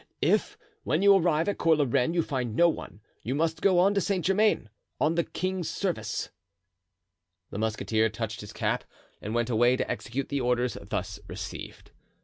If, when you arrive at Cours la Reine, you find no one, you must go on to Saint Germain. On the king's service." The musketeer touched his cap and went away to execute the orders thus received.